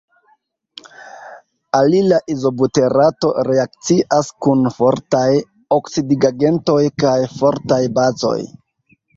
Alila izobuterato reakcias kun fortaj oksidigagentoj kaj fortaj bazoj.